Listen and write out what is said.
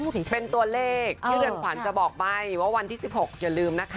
เป็นตัวเลขพี่เด่นขวานจะบอกใบว่าวันที่สิบหกอย่าลืมนะคะ